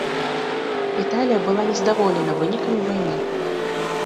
Італія была не здаволена вынікамі вайны.